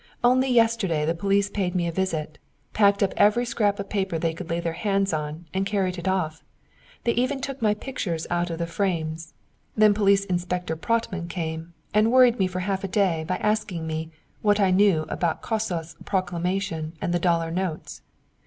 Only yesterday the police paid me a visit, packed up every scrap of paper they could lay their hands on, and carried it off; they even took my pictures out of the frames. Then Police inspector Prottman came and worried me for half a day by asking me what I knew about Kossuth's proclamation and the dollar notes.